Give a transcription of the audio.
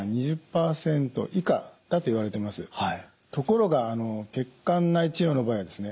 ところが血管内治療の場合はですね